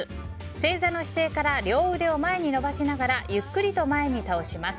正座の姿勢から両腕を前に伸ばしながらゆっくりと前に倒します。